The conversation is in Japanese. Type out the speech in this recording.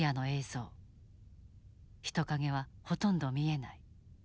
人影はほとんど見えない。